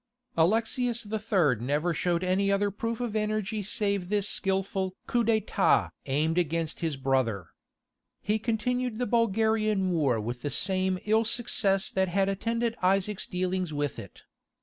Alexius III. never showed any other proof of energy save this skilful coup d'état aimed against his brother. He continued the Bulgarian war with the same ill success that had attended Isaac's dealings with it.